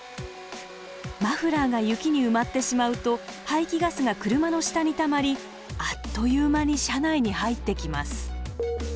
マフラーが雪に埋まってしまうと排気ガスが車の下にたまりあっという間に車内に入ってきます。